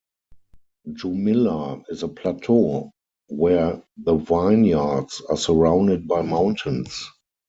Jumilla is a plateau where the vineyards are surrounded by mountains.